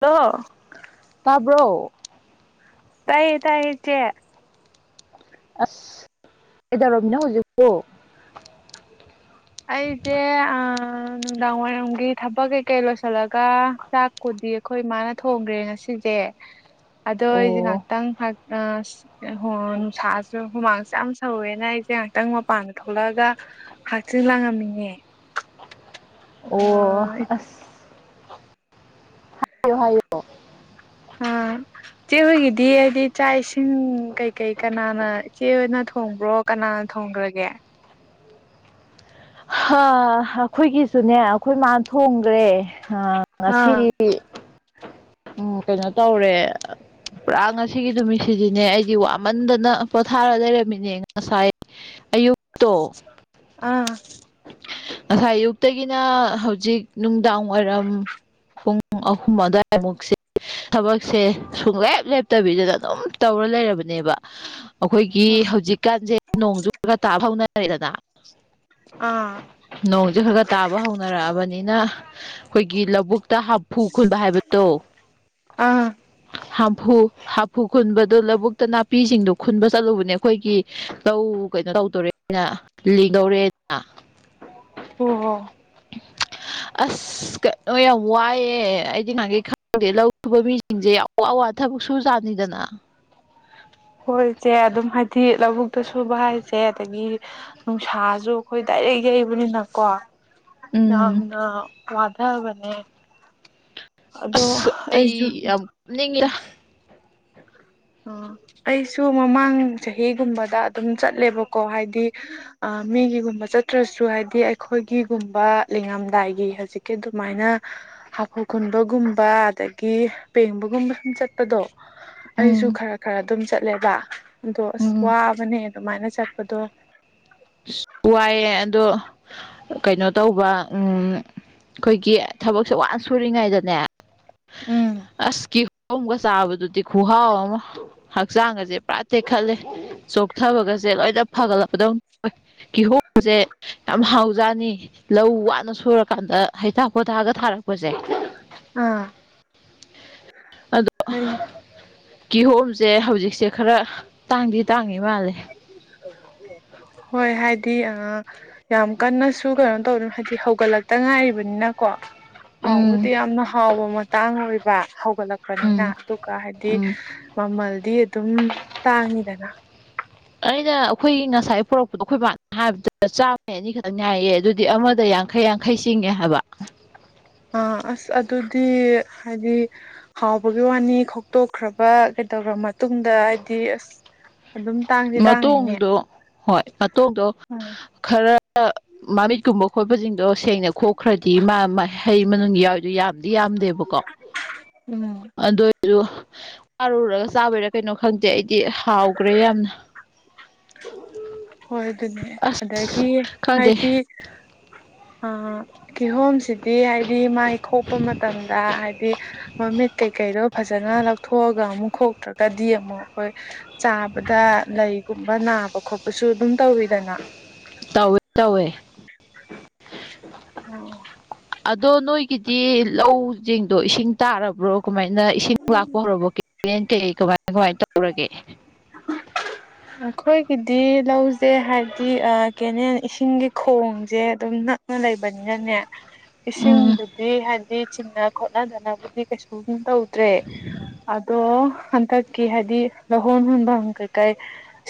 hello ꯇꯥꯕ꯭ꯔꯣ ꯇꯥꯏ - ꯇꯥꯏ ꯆꯦ ꯑꯁ ꯀꯩꯗꯨꯔꯣꯝꯃꯤꯅ ꯍꯧꯖꯤꯛꯄꯣ ꯑꯩꯁꯦ ꯅꯨꯡꯗꯥꯡ ꯋꯥꯏꯔꯝꯒꯤ ꯊꯕꯛ ꯀꯩ-ꯀꯩ ꯂꯣꯏꯁꯤꯜꯂꯒ ꯆꯥꯛ ꯀꯨꯗꯤ ꯑꯩꯈꯣꯏ ꯃꯥꯅ ꯊꯣꯡꯈ꯭ꯔꯦ ꯉꯁꯤꯁꯦ [inaudible] ꯑꯗꯣ ꯑꯩꯁꯦ ꯑꯣ ꯉꯍꯥꯛꯇꯪ ꯑ ꯍꯣꯏ ꯅꯨꯡꯁꯥꯁꯨ ꯍꯨꯃꯥꯡꯁꯨ ꯌꯥꯝ ꯁꯧꯋꯦꯅ ꯑꯩꯁꯦ ꯉꯥꯏꯍꯥꯛꯇꯪ ꯃꯄꯥꯟꯗ ꯊꯣꯛꯂꯛꯑꯒ ꯆꯤ ꯂꯤꯡꯉꯝꯃꯤꯉꯦ ꯑꯣ ꯑꯁ ꯍꯥꯏꯌꯣ ꯍꯥꯏꯌꯨ [inaudible] ꯏꯆꯦ ꯍꯣꯏꯒꯤꯗꯤ ꯍꯥꯏꯗꯤ ꯆꯥꯛ ꯏꯁꯤꯡ ꯀꯩ-ꯀꯩ ꯀꯅꯥꯅ ꯏꯆꯦ ꯍꯣꯏꯅ ꯊꯣꯡꯕ꯭ꯔꯣ ꯀꯅꯥ ꯊꯣꯡꯈ꯭ꯔꯒꯦ ꯑꯩꯈꯣꯏꯒꯤꯁꯨꯅꯦ ꯑꯩꯈꯣꯏ ꯃꯥ ꯊꯣꯡꯈ꯭ꯔꯦ ꯑꯥ ꯉꯁꯤꯗꯤ ꯎꯝ ꯀꯩꯅꯣ ꯇꯧꯔꯦ ꯄꯨꯔꯥ ꯉꯁꯤꯒꯤ ꯅꯨꯃꯤꯠꯁꯤꯗꯤꯅꯦ ꯑꯩꯗꯤ ꯋꯥꯃꯟꯗꯅ ꯄꯣꯊꯥꯔ ꯂꯩꯔꯝꯃꯤꯅꯦ ꯉꯁꯥꯏ ꯑꯌꯨꯛꯇꯣ ꯑꯥ ꯉꯁꯥꯏ ꯑꯌꯨꯛꯇꯒꯤꯅ ꯍꯧꯖꯤꯛ ꯅꯨꯡꯗꯥꯡ ꯋꯥꯏꯔꯝ ꯄꯨꯡ ꯑꯍꯨꯝ ꯑꯗꯨꯋꯥꯏꯃꯨꯛꯁꯦ ꯊꯕꯛꯁꯦ ꯁꯨꯡꯂꯦꯞ ꯂꯦꯞꯇꯕꯤꯗꯅ ꯑꯗꯨꯝ ꯇꯧꯔ ꯂꯩꯔꯕꯅꯦꯕ ꯑꯩꯈꯣꯏꯒꯤ ꯑꯥ ꯍꯧꯖꯤꯛꯀꯥꯟꯁꯦ ꯅꯣꯡꯖꯨ ꯈꯒ ꯇꯥꯕ ꯍꯧꯅꯔꯦꯗꯅ [unintelligible] ꯅꯣꯡꯁꯦ ꯈꯔ ꯈꯔ-ꯇꯥꯕ ꯍꯧꯅꯔꯛꯑꯕꯅꯤꯅ ꯑꯩꯈꯣꯏꯒꯤ ꯂꯧꯕꯨꯛꯇ ꯍꯥꯐꯨ ꯈꯨꯨꯟꯕ ꯍꯥꯏꯕꯗꯣ [unintelligible] ꯍꯥꯝꯐꯨ-ꯍꯥꯝꯐꯨ ꯈꯨꯟꯕꯗꯨ ꯂꯧꯕꯨꯛꯇ ꯅꯥꯄꯤꯁꯤꯡꯗꯨꯣ ꯈꯨꯟꯕ ꯆꯠꯂꯨꯕꯅꯦ ꯑꯩꯈꯣꯏꯒꯤ ꯇꯧ ꯀꯩꯅꯣ ꯇꯧꯗꯣꯔꯦꯅ ꯂꯤꯡꯗꯧꯔꯦ [unintelligible] ꯑꯁ ꯀ ꯌꯥꯝ ꯋꯥꯏꯑꯦ ꯑꯩꯗꯤ ꯉꯥꯏꯒꯩ ꯈꯪꯗꯦ ꯂꯧꯨꯕ ꯃꯤ ꯁꯤꯡꯁꯦ ꯑꯋꯥ - ꯑꯋꯥ ꯊꯕꯛ ꯁꯨ ꯖꯥꯅꯤꯗꯅ ꯍꯣꯏꯁꯦ ꯑꯗꯨꯝ ꯍꯥꯏꯗꯤ ꯂꯧꯕꯨꯛꯇ ꯁꯨꯕ ꯍꯥꯏꯁꯦ ꯑꯗꯒꯤ ꯅꯨꯡꯁꯥꯁꯨ ꯑꯩꯈꯣꯏ ꯗꯥꯏꯔꯦꯛ ꯌꯩꯕꯅꯤꯅꯀꯣ ꯎꯝ ꯌꯥꯝꯅ ꯋꯥꯙꯥ ꯕꯅꯦ ꯑꯁ ꯑꯩ ꯌꯥꯝ ꯄꯨꯞꯅꯤꯡꯉꯦ ꯑꯥ ꯑꯩꯁꯨ ꯃꯃꯥꯡ ꯆꯍꯤꯒꯨꯝꯕꯗ ꯑꯗꯨꯝ ꯆꯠꯂꯦꯕꯀꯣ ꯍꯥꯏꯗꯤ ꯑ ꯃꯤꯒꯤꯒꯨꯝꯕ ꯆꯠꯇ꯭ꯔꯁꯨ ꯍꯥꯏꯗꯤ ꯑꯩꯈꯣꯏꯒꯤꯒꯨꯝꯕ ꯂꯤꯡꯉꯝꯗꯥꯏꯒꯤ ꯍꯧꯖꯤꯛ ꯀꯤ ꯗꯨꯃꯥꯏꯅ ꯍꯥꯐꯨ ꯈꯨꯨꯟꯕꯒꯨꯝꯕ ꯑꯗꯒꯤ ꯄꯦꯡꯕꯒꯨꯝꯕ ꯁꯨꯝ ꯆꯠꯄꯗꯣ ꯑꯩꯁꯨ ꯎꯝ ꯈꯔ ꯈꯔ ꯑꯗꯨꯝ ꯆꯠꯂꯦꯕ ꯑꯗꯣ ꯑꯁ ꯎꯝ ꯋꯥꯕꯅꯦ ꯑꯗꯨꯃꯥꯏꯅ ꯆꯠꯄꯗꯣ ꯋꯥꯏꯑꯦ ꯑꯗꯣ ꯀꯩꯅꯣ ꯇꯧꯕ ꯎꯝ ꯈꯣꯏꯒꯤ ꯊꯕꯛꯁꯦ ꯋꯥꯅ ꯁꯨꯔꯤꯉꯩꯗꯅꯦ ꯎꯝ ꯑꯁ ꯀꯤꯍꯣꯝꯒ ꯆꯥꯕꯗꯨꯗꯤ ꯈꯨꯍꯥꯎ ꯑꯃ ꯍꯛꯆꯥꯡꯒꯁꯦ ꯄꯨꯔꯥ ꯇꯦꯛꯈꯠꯂꯦ ꯆꯣꯛꯊꯕꯒꯁꯦ ꯂꯣꯏꯅ ꯐꯒꯠꯂꯛꯄꯗꯧ ꯀꯤꯍꯣꯝꯁꯦ ꯌꯥꯝ ꯍꯥꯎꯖꯥꯅꯤ ꯂꯧ ꯋꯥꯅ ꯁꯨꯔꯀꯥꯟꯗ ꯍꯩꯊꯥ ꯈꯣꯊꯥꯛꯒ ꯊꯥꯔꯛꯄꯁꯦ ꯑꯥ ꯑꯗꯣ ꯍ‌ꯣꯏ ꯀꯤꯍꯣꯝꯁꯦ ꯍꯧꯖꯤꯛꯁꯦ ꯈꯔ ꯇꯥꯡꯗꯤ ꯇꯥꯡꯉꯤ [inaudible] [inaudible] ꯍꯣꯏ ꯍꯥꯏꯗꯤ ꯑ ꯌꯥꯝ ꯀꯟꯅꯁꯨ ꯀꯩꯅꯣ ꯇꯧꯗꯅ ꯍꯥꯏꯗꯤ ꯍꯧꯒꯠꯂꯛꯇ ꯉꯥꯏꯔꯤꯕꯅꯤꯅꯀꯣ [inaudible] ꯍꯥꯎꯕꯨꯗꯤ ꯌꯥꯝꯅ ꯍꯥꯎꯕ ꯃꯇꯥꯡ ꯑꯣꯏꯕ ꯍꯧꯒꯠꯂꯛꯄꯅꯤꯅ ꯎꯝ ꯑꯗꯨꯒ ꯍꯥꯏꯗꯤ ꯎꯝ ꯃꯃꯜꯗꯤ ꯑꯗꯨꯝ ꯇꯥꯡꯉꯤꯗꯅ ꯑꯩꯅ ꯑꯩꯈꯣꯏꯒꯤ ꯉꯁꯥꯏ ꯄꯨꯔꯛꯄꯗꯣ ꯑꯩꯈꯣꯏꯕꯥꯅ ꯍꯥꯏꯕꯗ ꯆꯥꯝꯃꯩ ꯑꯅꯤꯈꯛꯅ‌ꯦ ꯍꯥꯏꯌꯦ ꯑꯗꯨꯗꯤ ꯑꯃꯗ ꯌꯥꯡ ꯈꯩ ꯌꯥꯡꯈꯩ ꯆꯤꯡꯉꯦ ꯍꯥꯏꯕ ꯑ ꯑꯁ ꯑꯗꯨꯗꯤ ꯍꯥꯏꯗꯤ ꯍꯥꯎꯕꯒꯤ ꯋꯥꯅꯤ ꯈꯣꯛꯇꯣꯛꯈ꯭ꯔꯕ ꯀꯩꯗꯧꯈ꯭ꯔ ꯃꯇꯨꯡꯗ ꯍꯥꯏꯗꯤ ꯑꯁ ꯑꯗꯨꯝ ꯇꯥꯡꯗꯤ ꯇꯥꯡꯉꯤꯅꯦ ꯃꯇꯣꯡꯗꯣ ꯍꯣꯏ ꯃꯇꯣꯡꯗꯣ ꯈꯔ ꯃꯃꯤꯠꯀꯨꯝꯕ ꯈꯣꯠꯄꯁꯤꯡ ꯑꯗꯣ ꯁꯦꯡꯅ ꯈꯣꯛꯈ꯭ꯔꯗꯤ ꯃꯥ ꯍꯩ ꯃꯅꯨꯡ ꯌꯥꯎꯋꯤꯗꯣ ꯌꯥꯝꯗꯤ ꯌꯥꯝꯗꯦꯕꯀꯣ ꯎꯝ ꯑꯗꯨꯏꯗꯨ ꯋꯥꯔꯨꯔꯒ ꯆꯥꯕꯩꯔꯥ ꯀꯩꯅꯣ ꯈꯪꯗꯦ ꯑꯩꯗꯤ ꯍꯥꯎꯈ꯭ꯔꯦ ꯌꯥꯝꯅ ꯍꯣꯏ ꯑꯗꯨꯅꯦ ꯑꯁ ꯑꯗꯒꯤ ꯍꯥꯏꯗꯤ [inaudible] ꯑ ꯀꯤꯍꯣꯝꯁꯤꯗꯤ ꯍꯥꯏꯗꯤ ꯃꯥꯏ ꯈꯣꯛꯄ ꯃꯇꯝꯗ ꯍꯥꯏꯗꯤ ꯃꯃꯤꯠ ꯀꯩꯀꯩꯗꯣ ꯐꯖꯅ ꯂꯧꯊꯣꯛꯑꯒ ꯑꯃꯨꯛ ꯈ‌ꯣꯛꯇ꯭ꯔꯒꯗꯤ ꯑꯃꯨꯛ ꯑꯩꯈꯣꯏ ꯆꯥꯕꯗ ꯂꯩꯒꯨꯝꯕ ꯅꯥꯕ ꯈꯣꯠꯄꯁꯨ ꯑꯗꯨꯝ ꯇꯧꯋꯤꯗꯅ ꯇꯧꯋꯦ ꯇꯧꯋꯦ ꯑꯣ ꯑꯗꯣ ꯅꯣꯏꯒꯤꯗꯤ ꯂꯧꯖꯤꯡꯗꯣ ꯏꯁꯤꯡ ꯇꯥꯔꯕ꯭ꯔꯣ ꯀꯃꯥꯏꯅ ꯏꯁꯤꯡ ꯂꯥꯛꯄ ꯍꯧꯔꯕꯣ ꯀꯦꯟ ꯀꯩ ꯀꯃꯥꯏ ꯀꯃꯥꯏꯅ ꯇꯧꯔꯒꯦ ꯑꯩꯈꯣꯏꯒꯤꯗꯤ ꯂꯧꯁꯦ ꯍꯥꯏꯕꯗꯤ ꯀꯦꯅꯦꯜ ꯏꯁꯤꯡꯒꯤ ꯈꯣꯡꯁꯦ ꯑꯗꯨꯝꯅ ꯅ ꯂꯩꯕꯅꯤꯅꯅꯦ ꯎꯝ ꯏꯁꯤꯡꯕꯨꯗꯤ ꯍꯥꯏꯗꯤ ꯆꯤꯡꯅ ꯈ‌ꯣꯠꯅꯗꯅꯕꯗꯤ ꯀꯩꯁꯨꯝ ꯇꯧꯗ꯭ꯔꯦ ꯑꯗꯣ ꯍꯟꯇꯛ ꯗꯤ ꯍꯥꯏꯗꯤ ꯂꯧꯍꯣꯟ ꯍꯣꯟꯐꯝ ꯀꯩꯀꯩ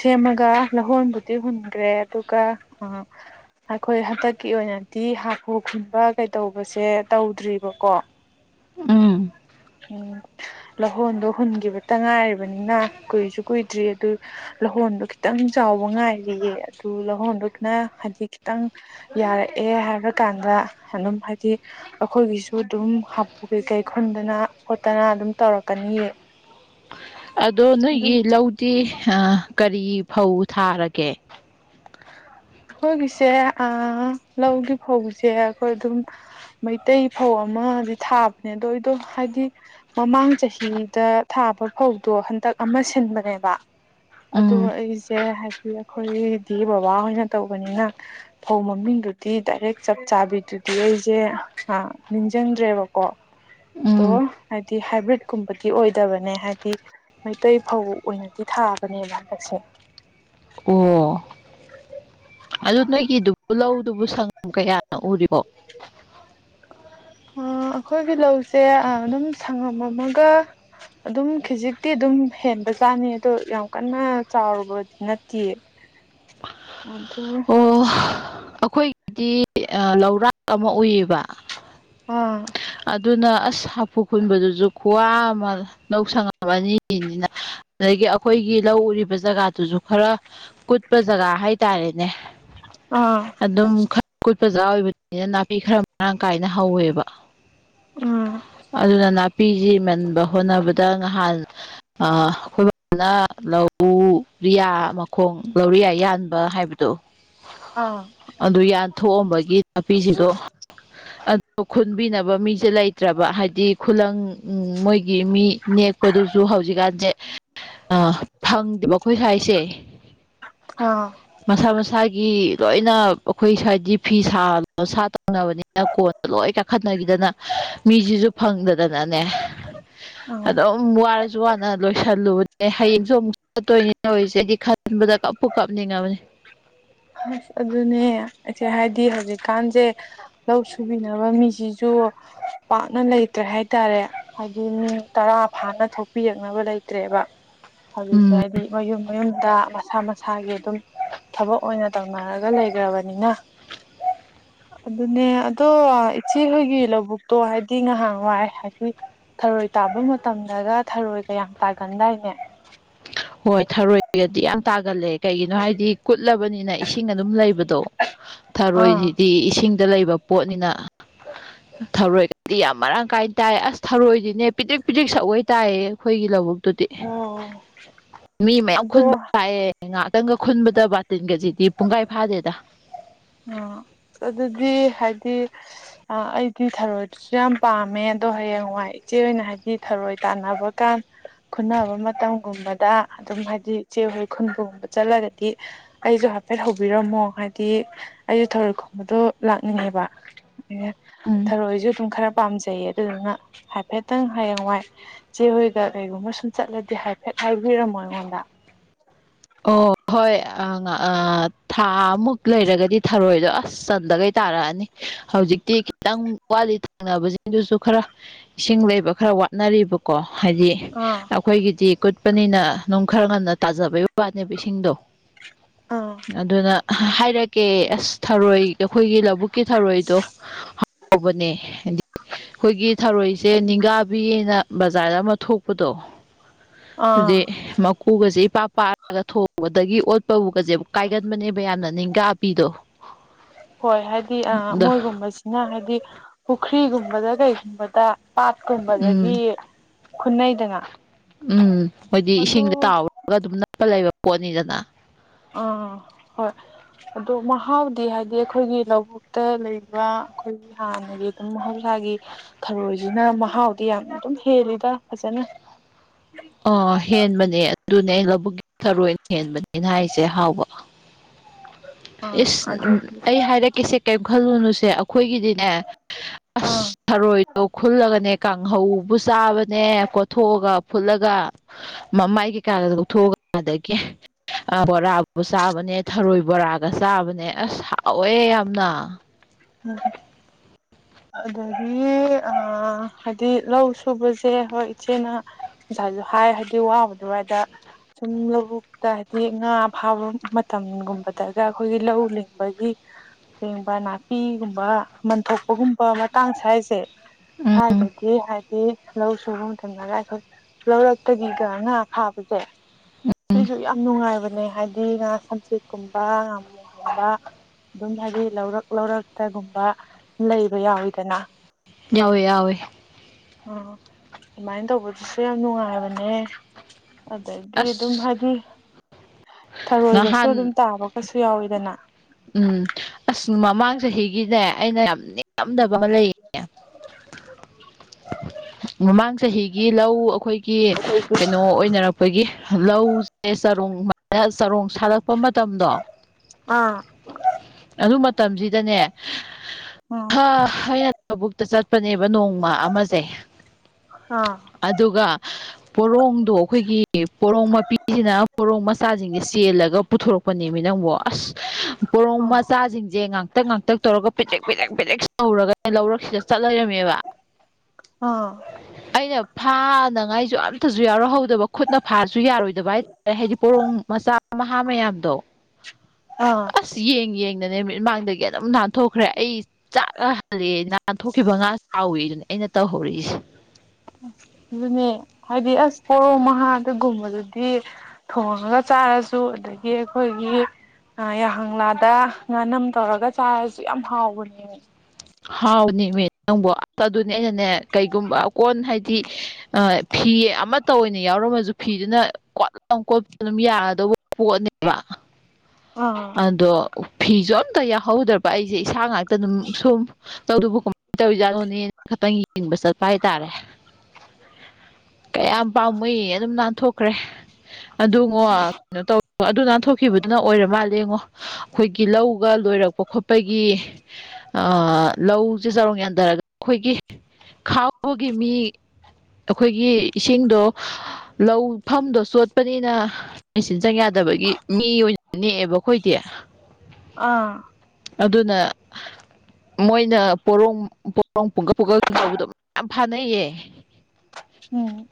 ꯁꯦꯝꯃꯒ ꯂꯧꯍꯣꯟꯕꯨꯗꯤ ꯍꯨꯟꯈ꯭ꯔꯦ ꯑꯗꯨꯒ ꯑ ꯑꯩꯈꯣꯏ ꯍꯟꯗꯛꯀꯤ ꯑꯣꯏꯅꯗꯤ ꯍꯥꯈꯨ ꯈꯨꯟꯕ ꯀꯩꯗꯧꯕꯁꯦ ꯇꯧꯗ꯭ꯔꯤꯕꯀꯣ ꯎꯝ ꯎꯝ ꯂꯧꯍꯣꯟꯗꯣ ꯍꯨꯟꯈꯤꯕꯇ ꯉꯥꯏꯔꯤ ꯕꯅꯤꯅ ꯀꯨꯏꯁꯨ ꯀꯨꯏꯗ꯭ꯔꯤ ꯑꯗꯨ ꯂ‌ꯧꯍꯣꯟꯗꯣ ꯈꯤꯇꯪ ꯆꯥꯎꯕ ꯉꯥꯏꯈꯤꯒ‌ꯦ ꯑꯗꯨ ꯂꯧꯍꯣꯟꯗꯨꯅ ꯍꯥꯏꯗꯤ ꯈꯤꯇꯪ ꯌꯥꯔꯛꯑꯦ ꯍꯥꯏꯕꯀꯥꯟꯗ ꯑꯗꯨꯝ ꯍꯥꯏꯗꯤ ꯑꯩꯈꯣꯏꯒꯤꯁꯨ ꯑꯗꯨꯝ ꯍꯥꯄꯨ ꯀꯩꯀꯩ ꯈꯨꯟꯗꯅ ꯈꯣꯠꯇꯅ ꯑꯗꯨꯝ ꯇꯧꯔꯛꯀꯅꯤꯌ‌ꯦ ꯑꯗꯣ ꯅꯣꯏꯒꯤ ꯂꯧꯗꯤ ꯀꯔꯤ ꯐꯧ ꯊꯥꯔꯒꯦ ꯑꯩꯈꯣꯏꯒꯤꯁꯦ ꯂꯧꯒꯤ ꯐꯧꯁꯦ ꯑꯩꯈꯣꯏ ꯑꯗꯨꯝ ꯃꯩꯇꯩ ꯐꯧ ꯑꯃꯗꯤ ꯊꯥꯕꯅꯦ ꯑꯗꯣ ꯑꯩꯗꯣ ꯍꯥꯏꯗꯤ ꯃꯃꯥꯡ ꯆꯍꯤꯗ ꯊꯥꯕ ꯐꯧꯗꯣ ꯍꯟꯗꯛ ꯑꯃ ꯁꯤꯟꯕꯅꯦꯕ ꯑꯗꯣ ꯎꯝ ꯑꯩꯁꯦ ꯍꯥꯏꯗꯤ ꯑꯩꯈꯣꯏꯗꯤ ꯕꯕꯥꯍꯣꯏꯅ ꯇꯧꯕꯅꯤꯅ ꯐꯧ ꯃꯃꯤꯡꯗꯨꯗꯤ ꯗꯥꯏꯔꯦꯛ ꯆꯞ ꯆꯥꯕꯤꯗꯨꯗꯤ ꯑꯩꯁꯦ ꯅꯤꯡꯁꯤꯡꯗ꯭ꯔꯦꯕꯀꯣ ꯑꯗꯣ ꯎꯝ ꯍꯥꯏꯗꯤ ꯍꯥꯏꯕ꯭ꯔꯤꯠꯀꯨꯝꯕꯗꯤ ꯑꯣꯏꯗꯕꯅꯦ ꯍꯥꯏꯗꯤ ꯃꯩꯇꯩ ꯐꯧ ꯑꯣꯏꯅꯗꯤ ꯊꯥꯕꯅꯦꯕ ꯍꯟꯗꯛꯁꯦ ꯑꯣ ꯑꯗꯨ ꯅꯣꯏꯒꯤꯗꯨꯕꯨ ꯂꯧꯗꯨꯕꯨ ꯁꯪꯒꯝ ꯀꯌꯥꯅ ꯎꯔꯤꯣ ꯑꯩꯈꯣꯏꯒꯤ ꯂꯧꯁꯦ ꯑꯗꯨꯝ ꯁꯪꯉꯝꯝꯃꯒ ꯑꯗꯨꯝ ꯈꯈꯤꯖꯤꯛꯇꯤ ꯑꯗꯨꯝ ꯍꯦꯟꯕꯖꯥꯅꯤ ꯑꯗꯣ ꯌꯥꯝ ꯀꯟꯅ ꯆꯥꯎꯔꯨꯕꯗꯤ ꯅꯠꯇꯦꯌꯦ [unintelligible] ꯑꯗꯨ ꯑꯣ ꯑꯩꯈꯣꯏꯒꯤꯗꯤ ꯂꯧꯔꯥꯛ ꯑꯃ ꯎꯏꯌꯦꯕ ꯑꯣ ꯑꯗꯨꯅ ꯑꯁ ꯍꯥꯐꯨ ꯈꯨꯨꯟꯕꯗꯨꯁꯨ ꯈꯨ꯭ꯋꯥ ꯑꯃ ꯂꯧꯧ ꯁꯪꯉꯝ ꯑꯅꯤꯅꯤꯅ ꯑꯗꯒꯤ ꯑꯩꯈꯣꯏꯒꯤ ꯂꯧ ꯎꯔꯤꯕ ꯖꯒꯥꯗꯨꯁꯨ ꯈꯔ ꯀꯨꯠꯄ ꯖꯒꯥ ꯍꯥꯏꯇꯥꯔꯦꯅꯦ ꯑ ꯑꯗꯨꯝ ꯈꯔ ꯀꯨꯠꯄꯖꯥ ꯑꯣꯏꯕꯅꯤꯅ ꯅꯥꯄꯤ ꯈꯔ ꯃꯔꯥꯡ ꯀꯥꯏꯅ ꯍꯧꯋꯦꯕ ꯎꯝ ꯑꯗꯨꯅ ꯅꯥꯄꯤꯁꯤꯃꯟꯕ ꯍꯣꯠꯅꯕꯗ ꯉꯍꯥꯟ ꯑꯩꯈꯣꯏꯕꯥꯅ ꯂꯧꯔꯤꯌꯥ ꯃꯈꯣꯡ ꯂꯧꯔꯤꯌꯥ ꯌꯥꯟꯕ ꯍꯥꯏꯕ ꯀꯠꯇꯣ ꯑ ꯑꯗꯨ ꯌꯥꯟꯊꯣꯛꯑꯝꯕꯒꯤ ꯅꯥꯄꯤꯁꯤꯗꯣ ꯑ ꯈꯨꯟꯕꯤꯅꯕ ꯃꯤꯁꯦ ꯂꯩꯇ꯭ꯔꯕ ꯍꯥꯏꯗꯤ ꯈꯨꯂꯪ ꯃꯣꯏꯒꯤ ꯃꯤ ꯅꯦꯛ ꯗꯨꯁꯨ ꯍꯧꯖꯤꯛꯀꯥꯟꯁꯦ ꯐꯪꯗꯦꯕ ꯑꯩꯈꯣꯏ ꯁ꯭ꯋꯥꯏꯁꯦ ꯑ ꯃꯁꯥ ꯃꯁꯥꯒꯤ ꯂꯣꯏꯅ ꯑꯩꯈꯣꯏ ꯍꯥꯏꯗꯤ ꯐꯤ ꯁꯥ ꯁꯥ ꯇꯧꯅꯕꯅꯤ ꯀꯣꯟꯗ ꯂꯣꯏ ꯀꯥꯈꯠꯅꯈꯤꯗꯅ ꯃꯤꯁꯤꯁꯨ ꯐꯪꯗꯗꯅꯅꯦ ꯑꯥ ꯑꯗꯨꯝ ꯋꯥꯔꯁꯨ ꯋꯥꯅ ꯂꯣꯏꯁꯜꯂꯨꯕꯅꯦ ꯍꯌꯦꯡꯁꯨ ꯑꯃꯨꯛ ꯆꯠꯇꯣꯏꯅꯤꯅ ꯑꯣꯏꯔꯤꯁꯦꯗꯤ ꯊꯟꯕꯗ ꯀꯞꯄꯨ ꯀꯞꯅꯤꯡꯉꯕꯅꯤ ꯑꯁ ꯑꯗꯨꯅꯦ ꯑꯩꯁꯦ ꯍꯥꯏꯗꯤ ꯍꯧꯖꯤꯛꯀꯥꯟꯁꯦ ꯂꯧ ꯁꯨꯕꯤꯅꯕ ꯃꯤꯁꯤꯁꯨ ꯄꯥꯛꯅ ꯂꯩꯇ꯭ꯔꯦ ꯍꯥꯏꯇꯥꯔꯦ ꯍꯥꯏꯗꯤ ꯃꯤ ꯇꯔꯥ ꯐꯥꯅ ꯊꯣꯛꯄꯤꯔꯛꯅꯕ ꯂꯩꯇ꯭ꯔꯦꯕ ꯍꯧꯖꯤꯛꯁꯦ ꯎꯝ ꯍꯥꯏꯗꯤ ꯃꯌꯨꯝ ꯃꯌꯨꯝꯗ ꯃꯁꯥ ꯃꯁꯥꯒꯤ ꯑꯗꯨꯝ ꯊꯕꯛ ꯑꯣꯏꯅ ꯇꯧꯅꯔꯒ ꯂꯩꯈ꯭ꯔꯕꯅꯤꯅ ꯑꯗꯨꯅꯦ ꯑꯗꯣ ꯏꯆꯦꯍꯣꯏꯒꯤ ꯂꯧꯕꯨꯛꯇꯣ ꯍꯥꯏꯕꯗꯤ ꯉꯥꯏꯍꯥꯛ ꯋꯥꯏ ꯍꯥꯏꯗꯤ ꯊꯔꯣꯏ ꯇꯥꯕ ꯃꯇꯝꯗꯒ ꯊꯔꯣꯏ ꯀꯌꯥꯝ ꯇꯥꯒꯟꯗꯥꯏꯅꯦ ꯍꯣꯏ ꯊꯔꯣꯏꯒꯗꯤ ꯌꯥꯝ ꯇꯥꯒꯠꯂꯦ ꯀꯩꯒꯤꯅꯣ ꯍꯥꯏꯗꯤ ꯀꯨꯠꯂꯕꯅꯤꯅ ꯏꯁꯤꯡ ꯑꯗꯨꯝ ꯂꯩꯕꯗꯣ ꯊꯔꯣꯏꯁꯤ ꯑꯥ ꯏꯁꯤꯡꯗ ꯂꯩꯕ ꯄꯣꯠꯅꯤꯅ ꯊꯔꯣꯏꯗꯤ ꯌꯥꯝ ꯃꯔꯥꯡ ꯀꯥꯏꯅ ꯇꯥꯏ ꯑꯁ ꯊꯧꯔꯣꯏꯗꯤꯅꯦ ꯄꯤꯗꯤꯛ ꯄꯤꯗꯤꯛ ꯁꯛꯑꯣꯏ ꯇꯥꯏꯌꯦ ꯑꯩꯈꯣꯏꯒꯤ ꯂꯧꯕꯨ ꯑꯣ ꯃꯤ ꯃꯌꯥꯝ ꯑꯗꯣ ꯈꯨꯟꯕ ꯇꯥꯏꯑꯌꯦꯦ ꯉꯥꯏꯍꯥꯛꯇꯪꯒ ꯈꯨꯟꯕꯗꯕ ꯇꯤꯟ ꯀꯖꯤꯗꯤ ꯄꯨꯡꯈꯥꯏ ꯐꯥꯗꯦꯗ ꯑꯣ ꯑꯗꯨꯗꯤ ꯍꯥꯏꯗꯤ ꯑꯩꯗꯤ ꯊꯔꯣꯏꯗ꯭ꯔꯦ ꯁꯨ ꯌꯥꯝ ꯄꯥꯝꯃꯦ ꯑꯗꯣ ꯍꯌꯦꯡꯋꯥꯏ ꯏꯆꯦ ꯑꯣꯏꯅ ꯍꯥꯏꯗꯤ ꯊꯔꯣꯏ ꯇꯥꯟꯅꯕ ꯀꯥꯟ ꯈꯨꯠꯅꯕ ꯃꯇꯝꯒꯨꯝꯕꯗ ꯑꯗꯨꯝ ꯍꯥꯏꯗꯤ ꯏꯆꯦ ꯍꯣꯏ ꯈꯨꯟꯕꯒꯨꯝꯕ ꯆꯠꯂꯒꯗꯤ ꯑꯩꯁꯨ ꯍꯥꯏꯐꯦꯠ ꯍꯧꯕꯤꯔꯝꯃꯣ ꯍꯥꯏꯗꯤ ꯑꯩꯁꯨ ꯊꯥꯔꯣꯏ ꯈꯨꯝꯕꯗꯣ ꯂꯥꯛꯅꯤꯡꯉꯦꯕ ꯎꯝ ꯊꯔꯣꯏꯁꯨ ꯑꯗꯨꯝ ꯈꯔ ꯄꯥꯝꯖꯩꯌꯦ ꯑꯗꯨꯗꯨꯅ ꯍꯥꯏꯐꯦꯠꯇꯪ ꯍꯌꯦꯡꯋꯥꯏ ꯆꯦ ꯍꯣꯏꯒ ꯀꯩꯒꯨꯝꯕ ꯁꯨꯝ ꯆꯠꯂꯗꯤ ꯍꯥꯏꯐꯦꯠ ꯍꯥꯏꯕꯤꯔꯝꯃꯣ ꯑꯩꯉꯣꯟꯗ ꯑꯣ ꯍꯣꯏ ꯊꯥꯃꯨꯛ ꯂꯩꯔꯒꯗꯤ ꯊꯥꯔꯣꯏꯗꯣ ꯑꯁ ꯆꯟꯗꯈꯩ ꯇꯥꯔꯛꯑꯅꯤ ꯍꯧꯖꯤꯛꯇꯤ ꯈꯤꯇꯪ ꯋꯥꯠꯂꯤ ꯊꯪꯅꯕꯁꯤꯡꯗꯨꯁꯨ ꯈꯔ ꯏꯁꯤꯡ ꯂꯩꯕ ꯈꯔ ꯋꯥꯠꯅꯔꯤꯕꯀꯣ ꯍꯥꯏꯗꯤ ꯑ ꯑꯩꯈꯣꯏꯒꯤꯗꯤ ꯀꯨꯠꯄꯅꯤꯅ ꯑꯗꯨꯝ ꯈꯔ ꯉꯟꯅ ꯇꯥꯖꯕꯒꯤ ꯋꯥꯅꯦꯕ ꯏꯁꯤꯡꯗꯣ ꯑꯥ ꯑꯗꯨꯅ ꯍꯥꯏꯔꯛꯀꯦ ꯑꯁ ꯊꯔꯣꯏ ꯑꯩꯈꯣꯏꯒꯤ ꯂꯧ ꯕꯨꯛꯀꯤ ꯊꯔꯣꯏꯗꯣ ꯍꯥꯎꯕꯅꯦ ꯍꯥꯏ ꯑꯩꯈꯣꯏꯒꯤ ꯊꯔꯣꯏ ꯁꯦ ꯅꯤꯡꯒꯥꯕꯤꯌꯦꯅ ꯕꯖꯥꯔꯗ ꯑꯃ ꯊꯣꯛꯄꯗꯣ ꯑꯥ ꯑꯗꯨꯗꯤ ꯀꯨꯒꯁꯦ ꯏꯄꯥ ꯄꯥꯔꯒꯥ ꯒ ꯊꯣꯡꯕꯗꯒꯤ ꯑꯣꯠꯄꯕꯨꯒꯁꯦ ꯀꯥꯏꯒꯟꯕꯅꯦꯕ ꯌꯥꯝꯅ ꯅꯤꯡꯒꯥꯄꯤꯗꯣ ꯍꯣꯏ ꯍꯥꯏꯗꯤ ꯑ ꯃꯣꯏꯒꯨꯝꯕꯁꯤꯅ ꯍꯥꯏꯗꯤ ꯄꯨꯈ꯭ꯔꯤꯒꯨꯝꯕꯗ ꯀꯩꯒꯨꯝꯕꯗ ꯄꯥꯠꯀꯨꯝꯕꯗꯒꯤ ꯎꯝ ꯈꯨꯟꯅꯩꯗꯅ ꯎꯝ ꯃꯣꯏꯗꯤ ꯑꯗꯣ ꯏꯁꯤꯡꯗ ꯇꯥꯎꯔꯒ ꯑꯗꯨꯝ ꯅꯞꯄ ꯂꯩꯕ ꯄꯣꯠꯅꯤꯗꯅ ꯑꯥ ꯍꯣꯏ ꯑꯗꯣ ꯃꯍꯥꯎꯗꯤ ꯍꯥꯏꯗꯤ ꯑꯩꯈꯣꯏꯒꯤ ꯂꯧꯕꯨꯛ ꯇ ꯂꯩꯕ ꯑꯩꯈꯣꯏꯒꯤ ꯍꯥꯟꯅꯒꯤ ꯑꯗꯨꯝ ꯃꯍꯧꯁꯥꯒꯤ ꯊꯔꯣꯏꯁꯤꯅ ꯃꯍꯥꯎꯗꯤ ꯌꯥꯝꯅ ꯑꯗꯨꯝ ꯍꯦꯜꯂꯤꯗ ꯐꯖꯅ ꯑ ꯍꯦꯟꯕꯅꯦ ꯑꯗꯨꯅꯦ ꯂꯧꯕꯨꯛꯀꯤ ꯊꯔꯣꯏꯅ ꯍꯦꯟꯕꯅꯦꯅ ꯍꯥꯏꯁꯦ ꯍꯥꯎꯕ ꯑꯥ ꯏꯁ ꯑꯗꯒꯤ ꯑꯩ ꯍꯥꯏꯔꯛꯀꯦꯁꯦ ꯀꯔꯤꯝ ꯈꯜꯂꯨꯅꯨꯁꯦ ꯑꯩꯈꯣꯏꯒꯤꯗꯤꯅꯦ ꯑꯥ ꯑꯁ ꯊꯔꯣꯏꯗꯣ ꯈꯨꯜꯂꯒꯅꯦ ꯀꯥꯡꯍꯧꯕꯨ ꯆꯥꯕꯅꯦ ꯀꯣꯊꯣꯛꯑꯒ ꯐꯨꯠꯂꯒ ꯃꯃꯥꯏ ꯀꯩꯀꯥꯗ ꯂꯧꯊꯣꯛꯑꯒ ꯑꯗꯒꯤ ꯕꯣꯔꯥꯕꯨ ꯆꯥꯕꯅꯦ ꯊꯔꯣꯏ ꯕꯣꯔꯥ ꯒ ꯆꯥꯕꯅꯦ ꯑꯁ ꯍꯥꯎꯑꯦ ꯌꯥꯝꯅ ꯎꯝ ꯑꯗꯒꯤ ꯑ ꯍꯥꯏꯗꯤ ꯂꯧ ꯁꯨꯕꯁꯦ ꯍꯣꯏ ꯏꯆꯦꯅ ꯉꯁꯥꯏꯁꯨ ꯍꯥꯏ ꯍꯥꯏꯗꯤ ꯋꯥꯕꯨꯗꯤ ꯋꯥꯏꯗ ꯁꯨꯝ ꯂꯧꯕꯨꯛꯇ ꯍꯥꯏꯗꯤ ꯉꯥ ꯐꯥꯕ ꯃꯇꯝꯒꯨꯝꯕꯗꯒ ꯑꯩꯈꯣꯏꯒꯤ ꯂꯧ ꯂꯤꯡꯕꯒꯤ ꯄꯦꯡꯕ ꯅꯥꯄꯤꯒꯨꯝꯕ ꯃꯟ ꯊꯣꯛ ꯑꯗꯨꯒꯨꯝꯕ ꯃꯇꯥꯡ ꯁ꯭ꯋꯥꯁꯦ ꯎꯝ ꯁ꯭ꯋꯥꯏꯗꯒꯤ ꯍꯥꯏꯗꯤ ꯂꯧ ꯁꯨꯕ ꯃꯇꯝꯝꯅꯒ ꯑꯩꯈꯣꯏ ꯂꯧꯔꯛꯇꯒꯤꯒ ꯉꯥ ꯐꯥꯕꯁꯦ ꯎꯝ ꯁꯤꯒꯤꯁꯨ ꯌꯥꯝ ꯅꯨꯡꯉꯥꯏꯕꯅꯦ ꯍꯥꯏꯗꯤ ꯉꯥ ꯁꯝꯆꯦꯠꯀꯨꯝꯕ ꯉꯥꯨꯉꯕ ꯑꯗꯨꯝ ꯍꯥꯏꯗꯤ ꯂꯧꯔꯛ ꯂꯧꯔꯛꯇꯒꯨꯝꯕ ꯂꯩꯕ ꯌꯥꯎꯋꯤꯗꯅ ꯌꯥꯎꯋꯦ ꯌꯥꯎꯋꯦ ꯎꯝ ꯑꯗꯨꯃꯥꯏꯅ ꯇꯧꯕꯗꯨꯁꯨ ꯌꯥꯝ ꯅꯨꯡꯉꯥꯏꯕꯅꯦ ꯑꯗꯒꯤ ꯑꯗꯨꯝ ꯑꯁ ꯍꯥꯏꯗꯤ ꯊꯔꯣꯏꯒꯁꯨ ꯑꯗꯨꯝ ꯅꯍꯥꯟ ꯇꯥꯕꯒꯁꯨ ꯌꯥꯎꯋꯤꯗꯅ ꯎꯝ ꯑꯁ ꯃꯃꯥꯡ ꯆꯍꯤꯒꯤꯅꯦ ꯑꯩꯅ ꯌꯥꯝ ꯅꯤꯉꯝꯗꯕ ꯑꯃ ꯂꯩ ꯃꯃꯥꯡ ꯆꯍꯤꯒꯤ ꯂꯧ ꯑꯩꯈꯣꯏꯒꯤ ꯀꯩꯅꯣ ꯑꯣꯏꯅꯔꯛꯄ ꯑꯩꯈꯣꯏꯒꯤ ꯂꯧꯁꯦ ꯆꯔꯣꯡ ꯆꯔꯣꯡ ꯁꯥꯠꯂꯛꯄ ꯃꯇꯝꯗꯣ ꯑꯥ ꯑꯗꯨ ꯃꯇꯝꯁꯤꯗꯅꯦ ꯎꯝ ꯑꯩꯅ ꯂꯧꯕꯨꯛꯇ ꯆꯠꯄꯅꯦꯕ ꯅꯣꯡꯃ ꯑꯃꯁꯦ ꯑ ꯑꯗꯨꯒ ꯄꯣꯔꯣꯡꯗꯣ ꯑꯩꯈꯣꯏꯒꯤ ꯄꯣꯔꯣꯡ ꯃꯄꯤꯁꯤꯅ ꯄꯣꯔꯣꯛ ꯃꯆꯥꯁꯤꯡꯁꯦ ꯆꯦꯜꯂꯒ ꯄꯨꯊꯣꯔꯛꯄꯅꯦꯃꯤ ꯅꯪꯕꯨ ꯑꯁ ꯑꯥ ꯄꯣꯔꯣꯡꯃ ꯆꯥꯁꯤꯡꯁꯦ ꯉꯥꯛꯇꯛ ꯉꯥꯛꯇꯛ ꯇꯧꯔꯒ ꯄꯤꯗꯦꯛ ꯄꯤꯗꯦꯛ ꯄꯤꯗꯦꯛ ꯇꯧꯔꯒ ꯂꯧꯔꯛꯁꯤꯗ ꯆꯠ ꯂꯩꯔꯝꯃꯦꯕ ꯑꯥ ꯑꯩꯅ ꯐꯥꯅꯉꯥꯏꯁꯨ ꯑꯝꯇꯁꯨ ꯌꯥꯎꯔꯛꯍꯧꯗꯕ ꯈꯨꯠꯅ ꯐꯥꯔꯁꯨ ꯌꯥꯔꯣꯏꯗꯕ ꯍꯥꯏꯇꯥꯔꯦ ꯍꯥꯏꯗꯤ ꯄꯣꯔꯣꯡ ꯃꯆꯥ ꯃꯍꯥ ꯃꯌꯥꯝꯗꯣ ꯑꯣ ꯑꯁ ꯌꯦꯡ ꯌꯦꯡꯗꯅꯦ ꯅꯨꯃꯤꯠꯃꯥꯡꯗꯒꯤ ꯑꯗꯨꯝ ꯅꯥꯟꯊꯣꯛꯈ꯭ꯔꯦ ꯑꯩ ꯆꯥꯛꯂ ꯍꯜꯂꯦ ꯅꯥꯟ ꯊꯣꯛꯣꯛꯈꯤꯕ ꯉꯥ ꯆꯥꯎꯋꯦ ꯑꯗꯨꯅꯦ ꯑꯩꯅ ꯇꯧꯍꯧꯔꯛꯏꯁꯦ ꯑꯁ ꯑꯗꯨꯅꯦ ꯍꯥꯏꯗꯤ ꯑꯁ ꯄꯣꯔꯣ ꯃꯍꯥꯗꯒꯨꯝꯕꯗꯨꯗꯤ ꯊꯣꯡꯉꯒ ꯆꯥꯔꯁꯨ ꯑꯗꯒꯤ ꯑꯩꯈꯣꯏꯒꯤ ꯌꯥꯏꯍꯪꯪꯂꯥꯗ ꯉꯥꯅꯝ ꯇꯧꯔꯒ ꯆꯥꯔꯁꯨ ꯌꯥꯝ ꯍꯥꯎꯕꯅꯦꯕ ꯍꯥꯎꯅꯦꯃꯦ ꯅꯪꯕꯨꯣ ꯑꯁ ꯑꯗꯨꯅꯦ ꯑꯩꯅꯅꯦ ꯀꯩꯒꯨꯝꯕ ꯀꯣꯟ ꯍꯥꯏꯗꯤ ꯐꯤ ꯑꯃꯠꯇ ꯑꯣꯏꯅ ꯌꯥꯎꯔꯝꯃꯁꯨ ꯐꯤꯗꯨꯅ ꯀꯣꯠꯂꯝ ꯀꯣꯠꯄ ꯑꯗꯨꯝ ꯌꯥꯒꯗꯧꯕ ꯄꯅꯤ ꯋꯥ ꯑꯥ ꯑꯗꯣ ꯐꯤꯁꯨ ꯑꯝꯇ ꯌꯥꯎꯍꯧꯗ꯭ꯔꯕ ꯑꯩꯁꯦ ꯏꯁꯥ ꯉꯥꯛꯇ ꯑꯗꯨꯝ ꯁꯨꯝ ꯇꯧꯗꯨꯕꯨ ꯀꯃꯥꯏꯅ ꯇꯧꯔꯤꯖꯥꯠꯅꯣꯅꯦꯅ ꯈꯇꯪ ꯌꯦꯡꯕ ꯆꯠꯄ ꯍꯥꯏꯇꯥꯔꯦ ꯀꯌꯥꯝ ꯄꯥꯝꯃꯨ ꯑꯗꯨꯝ ꯅꯥꯟꯊꯣꯛꯈ꯭ꯔꯦ ꯑꯗꯨꯉꯣ ꯀꯩꯅ ꯇꯧ ꯑꯗꯨ ꯅꯥꯥꯟ ꯊꯣꯛꯈꯤꯕꯗꯨꯅ ꯑꯣꯏꯔ ꯃꯥꯜꯂꯦ ꯌꯦꯡꯉꯣ ꯑꯩꯈꯣꯏꯒꯤ ꯂꯧꯒ ꯂꯣꯏꯔꯛꯄ ꯈꯣꯠꯄꯒꯤ ꯎꯁꯦ ꯆꯔꯣꯡ ꯌꯥꯟꯊꯔꯒ ꯑꯩꯈꯣꯏꯒꯤ ꯈꯥꯎꯕꯒꯤ ꯃꯤ ꯑꯩꯈꯣꯏꯒꯤ ꯏꯁꯤꯡꯗꯣ ꯂꯧꯐꯝꯗꯣ ꯆꯣꯠꯄꯅꯤꯅ ꯁꯤꯟꯖꯪ ꯌꯥꯗꯕꯒꯤ ꯃꯤ ꯑꯣꯏꯅ ꯅꯦꯛꯑꯦꯕ ꯑꯩꯈꯣꯏꯗꯤ ꯑꯥ ꯑꯗꯨꯅ ꯃꯣꯏꯅ ꯄꯣꯔꯣꯡ ꯄꯣꯔꯣꯡ ꯄꯨꯡꯀꯛ ꯄꯨꯈꯛ ꯆꯥꯎꯕꯗꯣ ꯃꯌꯥꯝ ꯐꯥꯅꯩꯌꯦ ꯎꯝ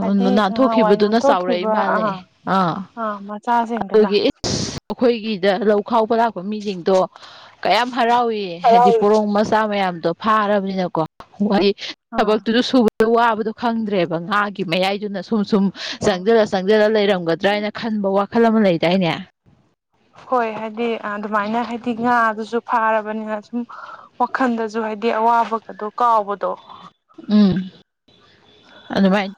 ꯍꯥꯏꯗꯤ ꯅꯍꯥꯟꯋꯥꯏ ꯅꯥꯟꯊꯣꯛꯈꯤꯕꯗꯨꯅ ꯆꯥꯎꯔꯛꯏ ꯅꯥꯟꯊꯣꯛꯈꯤꯕ ꯑ ꯃꯥꯜꯂꯦ ꯑꯥ ꯑ ꯃꯆꯥꯁꯤꯡꯗꯨꯅ ꯑꯗꯨꯒꯤ ꯑꯩꯈꯣꯏꯒꯤꯗ ꯂꯧ ꯈꯥꯎꯕ ꯂꯥꯛꯄ ꯃꯤꯁꯤꯡꯗꯣ ꯀꯌꯥꯝ ꯍꯔꯥꯎꯋ ꯍꯥꯏꯗꯤ ꯑꯥ ꯄꯣꯔꯣꯡ ꯃꯆꯥ ꯃꯌꯥꯝꯗꯣ ꯐꯥꯔꯕꯅꯤꯅꯀꯣ ꯑꯥ ꯊꯕꯛꯇꯨ ꯁꯨ ꯋꯥꯕꯗꯣ ꯈꯪꯗ꯭ꯔꯦꯕ ꯉꯥꯒꯤ ꯃꯌꯥꯏꯗꯨꯅ ꯁꯨꯝ ꯁꯨꯝ ꯆꯪꯖꯔ ꯆꯪꯖꯜꯂ ꯂꯩꯔꯝꯒꯗ꯭ꯔꯥ ꯍꯥꯏꯅ ꯈꯟꯕ ꯋꯥꯈꯜ ꯑꯃ ꯂꯩꯗꯥꯏꯅꯦ ꯍꯣꯏ ꯍꯥꯏꯗꯤ ꯑꯗꯨꯃꯥꯏꯅ ꯍꯥꯏꯗꯤ ꯉꯥꯗꯨꯁꯨ ꯐꯥꯔꯕꯅꯤꯅ ꯁꯨꯝ ꯋꯥꯈꯟꯗꯁꯨ ꯍꯥꯏꯗꯤ ꯑꯋꯥꯕꯒꯗꯣ ꯀꯥꯎꯕꯗꯣ ꯎꯝ ꯑꯗꯨꯕꯥꯥꯏ